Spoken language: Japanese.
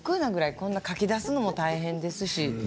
こんなに書き出すのも大変ですし。